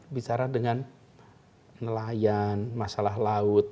bicara dengan nelayan masalah laut